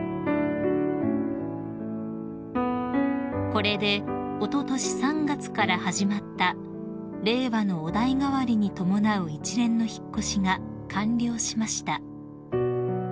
［これでおととし３月から始まった令和のお代替わりに伴う一連の引っ越しが完了しました］